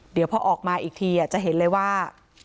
เดี๋ยวพอออกมาอีกทีจะเห็นเลยว่า